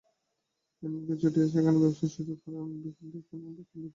মিয়ানমারকে চটিয়ে তারা সেখানে ব্যবসার সুযোগ হারানোর বিপদ ডেকে আনবে কোন দুঃখে।